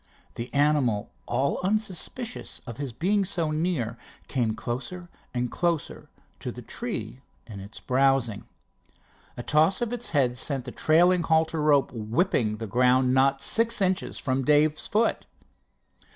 The animal, all unsuspicious of his being so near, came closer and closer to the tree in its browsing. A toss of its head sent the trailing halter rope whipping the ground not six inches from Dave's foot.